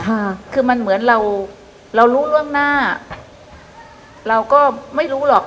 ค่ะคือมันเหมือนเราเรารู้ล่วงหน้าเราก็ไม่รู้หรอก